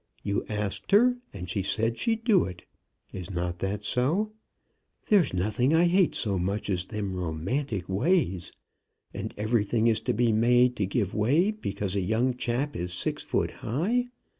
You asked her, and she said she'd do it. Is not that so? There's nothing I hate so much as them romantic ways. And everything is to be made to give way because a young chap is six foot high!